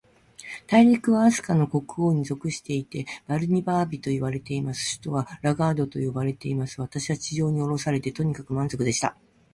大陸は、飛島の国王に属していて、バルニバービといわれています。首府はラガードと呼ばれています。私は地上におろされて、とにかく満足でした。